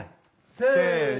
せの。